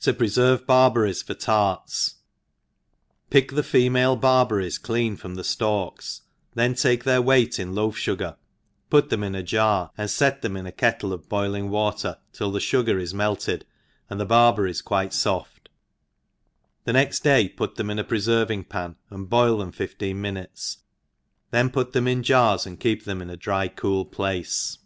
To preferve Barberries for Tarts. PICK the female barberries clean from the ftalks, then take their weight in loaf fugar, put them in a jar and fet them in a kettle of boiling water till the fugar is melted^and the barberries quite foft, the next day put them in a pre ferving pan, and boil them fifteen ^minutes, then pat them in jars, and keep them in a dry cool place.